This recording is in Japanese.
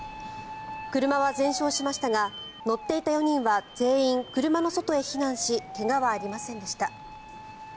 車は全焼しましたが乗っていた４人は全員、車の外へ避難し怪我はありませんでした。